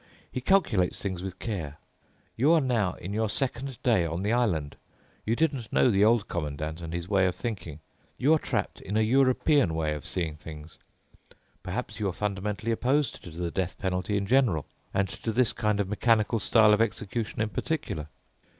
He calculates things with care. You are now in your second day on the island. You didn't know the Old Commandant and his way of thinking. You are trapped in a European way of seeing things. Perhaps you are fundamentally opposed to the death penalty in general and to this kind of mechanical style of execution in particular.